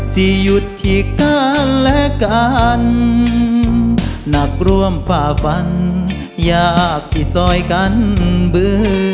สี่หยุดที่การและการหนักร่วมฝ่าฝันอยากสี่ซอยกันเบลอ